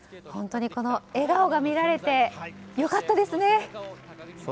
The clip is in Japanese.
本当に笑顔が見られて良かったですね。